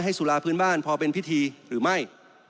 สุราพื้นบ้านพอเป็นพิธีหรือไม่